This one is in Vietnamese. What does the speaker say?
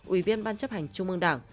ủy viên ban chấp hành trung mương đảng